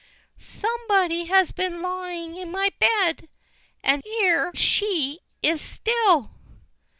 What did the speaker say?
"somebody has been lying in my bed, — AND HERE SHE IS STILL